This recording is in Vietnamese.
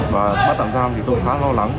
và bắt tạm giam thì tôi khá lo lắng